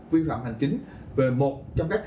vi phạm hành chính về một trong các